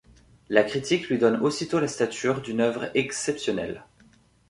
La critique lui donne aussitôt la stature d’une œuvre exceptionnelle.